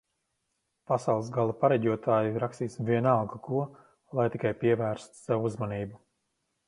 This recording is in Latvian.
Pasaules gala pareģotāji rakstīs vienalga ko, lai tikai pievērstu sev uzmanību